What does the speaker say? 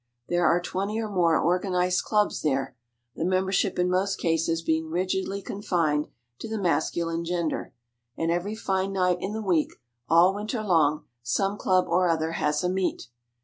There are twenty or more organized clubs there, the membership in most cases being rigidly confined to the masculine gender, and every fine night in the week, all winter long, some club or other has a meet.